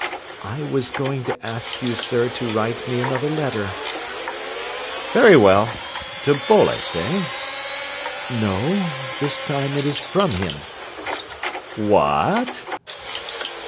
"I was going to ask you, sir, to write me another letter." "Very well! To Boles, eh?" "No, this time it is from him." "Wha at?"